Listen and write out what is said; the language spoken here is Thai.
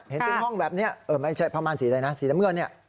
เห็นเป็นห้องแบบเนี้ยเออไม่ใช่ประมาณสีอะไรนะสีน้ำเมื่อเนี้ย